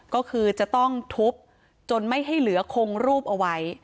ก็คือจะต้องทุบจนไม่ให้เหลือคงรูปเอาไว้